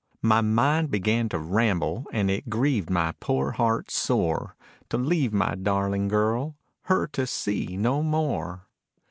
My mind began to ramble and it grieved my poor heart sore, To leave my darling girl, her to see no more.